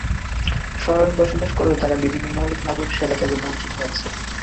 শহরে বসবাস করেও তারা বিভিন্ন মৌলিক নাগরিক সেবা থেকে বঞ্চিত হচ্ছে।